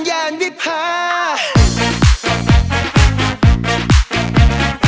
โปรดติดตามตอนต่อไป